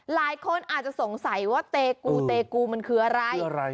หลายคนอาจจะสงสัยว่าเตกูเตกูมันคืออะไร